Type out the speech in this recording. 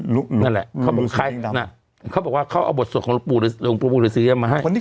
นั่นแหละเขาบอกว่าเขาเอาบทสวดของหลวงปู่หลวงปู่รือสีริงดำมาให้